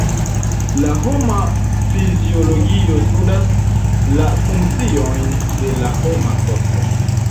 La homa fiziologio studas la funkciojn de la homa korpo.